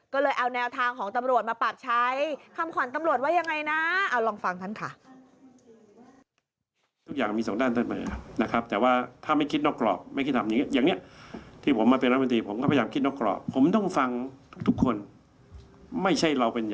ก็เลยเอาแนวทางของตำรวจมาปรับใช้